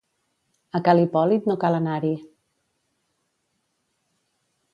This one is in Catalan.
A ca l'Hipòlit no cal anar-hi.